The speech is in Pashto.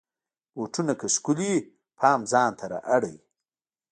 بوټونه که ښکلې وي، پام ځان ته را اړوي.